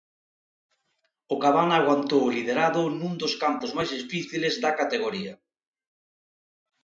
O Cabana aguantou o liderado nun dos campos máis difíciles da categoría.